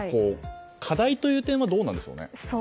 課題という点はどうなんでしょうね。